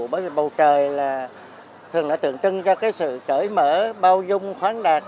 bởi vì bầu trời là thường là tượng trưng ra cái sự cởi mở bao dung khoáng đạt